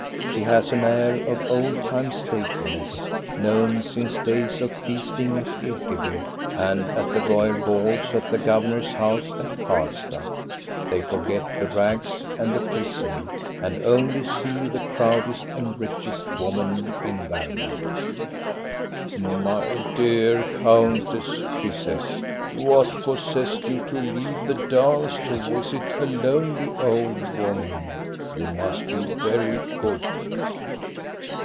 She has an air of old time stateliness, known since days of feasting at Ekeby and at the royal balls at the governor's house at Karlstad. They forget the rags and the prison and only see the proudest and richest woman in Varmland. " My dear countess,*' she says, " what possessed you to leave the dance to visit a lonely old woman? You must be very good.'